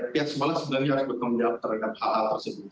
pihak sekolah sebenarnya harus bertanggung jawab terhadap hal hal tersebut